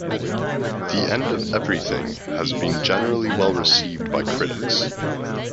"The End of Everything" has been generally well received by critics.